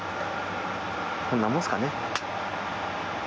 こんなもんすかね。